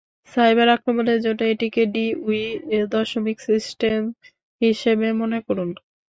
Cyber আক্রমণের জন্য এটিকে ডিউই দশমিক সিস্টেম হিসাবে মনে করুন।